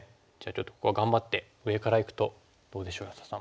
ちょっとここは頑張って上からいくとどうでしょう安田さん。